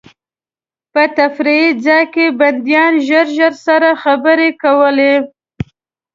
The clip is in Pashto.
په تفریح ځای کې بندیان ژر ژر سره خبرې کولې.